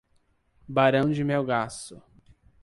Barão de Melgaço